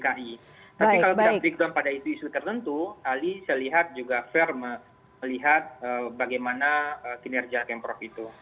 tapi kalau tidak berikutan pada isu tertentu ahli saya lihat juga fair melihat bagaimana kinerja kemprov itu